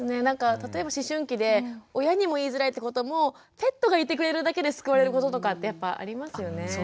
なんか例えば思春期で親にも言いづらいってこともペットがいてくれるだけで救われることとかってやっぱありますよね。